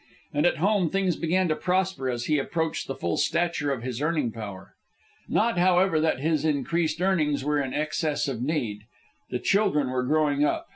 And at home things began to prosper as he approached the full stature of his earning power. Not, however, that his increased earnings were in excess of need. The children were growing up.